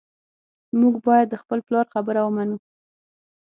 موږ باید د خپل پلار خبره ومنو